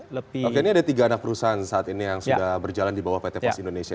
oke ini ada tiga anak perusahaan saat ini yang sudah berjalan di bawah pt pos indonesia